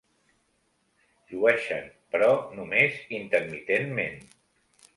Llueixen, però només intermitentment.